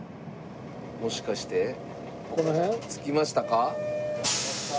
もしかして着きましたか？